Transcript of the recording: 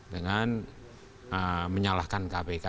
dengan menyalahkan kpk